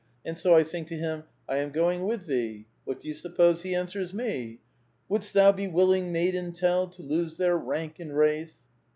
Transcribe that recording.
And so I sing to him, ' I am going with thee.' What do yoa suppose he answers me ?" Woulds't thou be willing, maiden, tell. To lose their rank and race?